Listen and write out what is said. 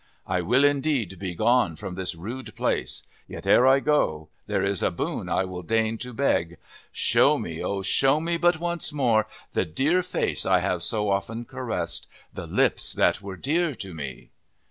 I will indeed be gone from this rude place. Yet, ere I go, there is a boon I will deign to beg. Show me, oh, show me but once again, the dear face I have so often caressed, the lips that were dear to me!"